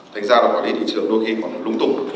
thành ra là quản lý thị trường đôi khi còn lung tung